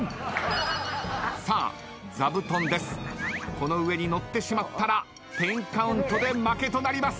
この上に乗ってしまったら１０カウントで負けとなります。